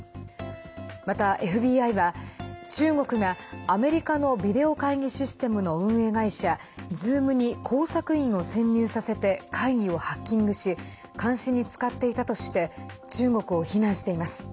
またＦＢＩは、中国がアメリカのビデオ会議システムの運営会社Ｚｏｏｍに工作員を潜入させて会議をハッキングし監視に使っていたとして中国を非難しています。